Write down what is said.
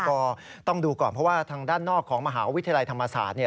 ก็ต้องดูก่อนเพราะว่าทางด้านนอกของมหาวิทยาลัยธรรมศาสตร์